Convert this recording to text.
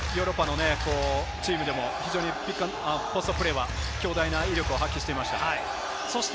ヨーロッパのチームでもポストプレーは壮大な威力を発揮していました。